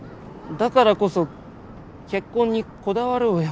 だからこそ結婚にこだわろうよ。